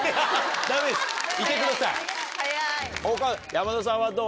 山田さんはどう？